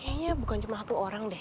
kayaknya bukan cuma satu orang deh